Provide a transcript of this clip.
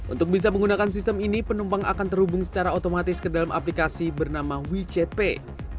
untuk bisa menggunakan sistem ini penumpang akan terhubung secara otomatis ke dalam aplikasi bernama wechat pay